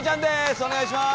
お願いします。